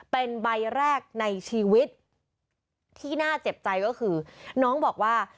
เป็นใบแรกในชีวิตที่น่าเจ็บใจก็คือน้องบอกว่า